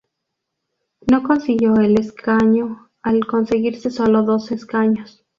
No consiguió el escaño al conseguirse sólo dos escaños.